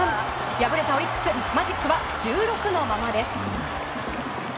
敗れたオリックスマジックは１６のままです。